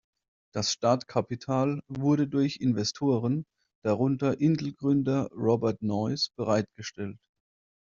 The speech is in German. Das Startkapital wurde durch Investoren, darunter Intel-Gründer Robert Noyce, bereitgestellt.